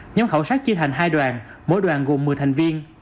nhóm khảo sát chia thành hai đoàn mỗi đoàn gồm một mươi thành viên